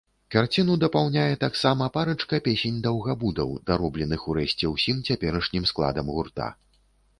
Карціну дапаўняе таксама парачка песень-даўгабудаў, даробленых урэшце ўсім цяперашнім складам гурта.